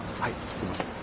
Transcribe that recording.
すみません。